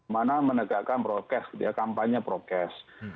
mana menegakkan prokes kampanye prokes